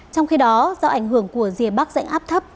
trong khi đó do ảnh hưởng của dìa bắc dạnh áp thấp